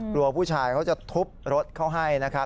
กลัวผู้ชายเขาจะทุบรถเขาให้นะครับ